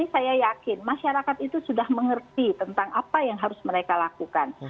saya yakin masyarakat itu sudah mengerti tentang apa yang harus mereka lakukan